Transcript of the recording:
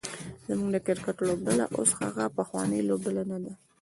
زمونږ د کرکټ لوبډله اوس هغه پخوانۍ لوبډله نده